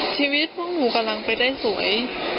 ชีวิตพวกหนูกำลังไปได้สวย